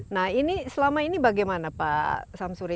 nah ini selama ini bagaimana pak samsuri